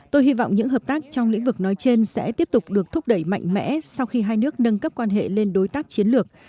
tôi hy vọng những hợp tác trong lĩnh vực nói trên sẽ tiếp tục được thúc đẩy mạnh mẽ sau khi hai nước nâng cấp quan hệ lên đối tác chiến lược